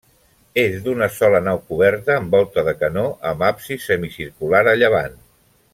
És d'una sola nau coberta amb volta de canó, amb absis semicircular a llevant.